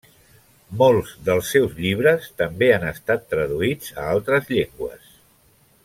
Molts dels seus llibres també han estat traduïts a altres llengües.